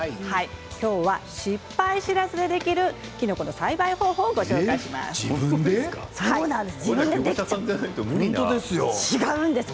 今日は失敗知らずでできるキノコの栽培方法をご紹介します。